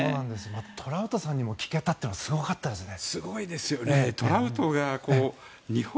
トラウトさんにも聞けたのはすごかったですよね。